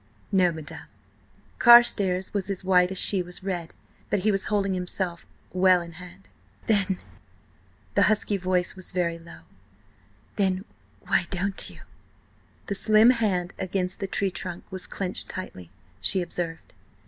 "No, madam." Carstares was as white as she was red, but he was holding himself well in hand. "Then—" the husky voice was very low, "then–why don't you?" The slim hand against the tree trunk was clenched tightly, she observed.